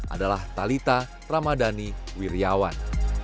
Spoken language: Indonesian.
adalah talitha ramadhani wirjawan